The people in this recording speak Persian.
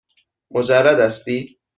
مجرد هستی؟